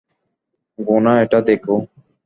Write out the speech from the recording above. গুনা, এটা দেখো।